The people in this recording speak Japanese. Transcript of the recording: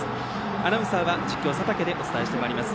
アナウンサーは実況、佐竹でお届けしてまいります。